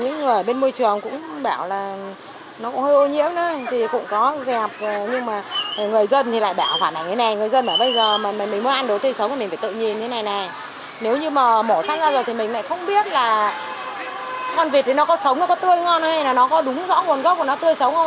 nếu như mà mổ sát ra rồi thì mình lại không biết là con vịt thì nó có sống nó có tươi ngon hay là nó có đúng rõ nguồn gốc của nó tươi sống không